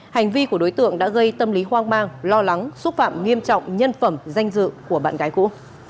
hành vi của đối tượng đã gây tâm lý hoang mang lo lắng xúc phạm nghiêm trọng nhân phẩm danh dự của bạn gái cũ